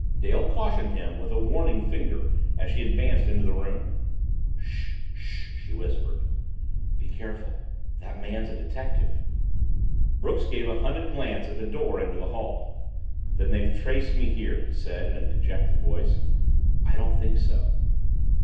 Dale cautioned him with a warning finger as he advanced into the room. "Sh! Sh!" she whispered. "Be careful! That man's a detective!" Brooks gave a hunted glance at the door into the hall. "Then they've traced me here," he said in a dejected voice. "I don't think so."